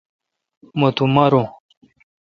مہ تو مارو۔